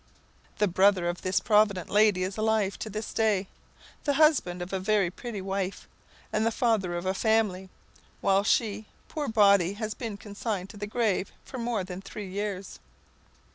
The brother of this provident lady is alive to this day, the husband of a very pretty wife, and the father of a family, while she, poor body, has been consigned to the grave for more than three years.